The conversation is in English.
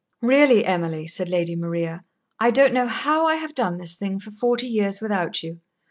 "Really, Emily," said Lady Maria, "I don't know how I have done this thing for forty years without you.